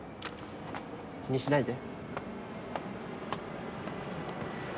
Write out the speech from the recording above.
気にしないで。